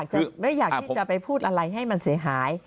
จะไม่อยากที่จะไปพูดอะไรให้มันเสียหาย